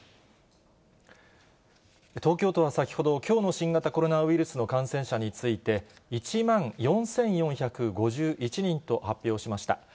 東京都は先ほど、きょうの新型コロナウイルスの感染者について、１万４４５１人と発表しました。